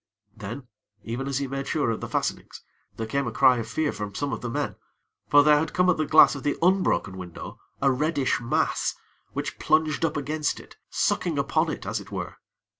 Then, even as he made sure of the fastenings, there came a cry of fear from some of the men; for there had come at the glass of the unbroken window, a reddish mass, which plunged up against it, sucking upon it, as it were.